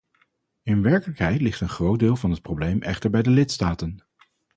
In werkelijkheid ligt een groot deel van het probleem echter bij de lidstaten.